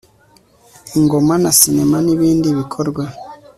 ingoma na cinema n ibindi bikorwa